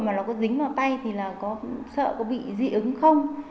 mà nó có dính vào tay thì là có sợ có bị dị ứng không